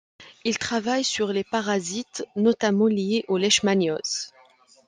Il travaille sur les parasites notamment liés aux leishmanioses.